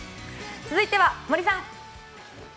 続いては森さん。